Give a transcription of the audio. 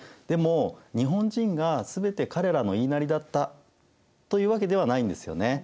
でも日本人が全て彼らの言いなりだったというわけではないんですよね。